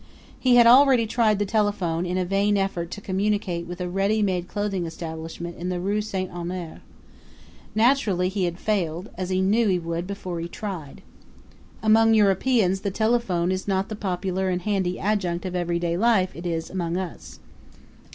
He had already tried the telephone in a vain effort to communicate with a ready made clothing establishment in the Rue St. Honore. Naturally he had failed, as he knew he would before he tried. Among Europeans the telephone is not the popular and handy adjunct of every day life it is among us.